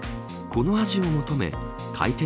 この味を求め開店